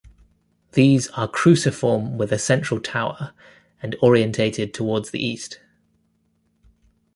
These are cruciform with a central tower, and orientated towards the east.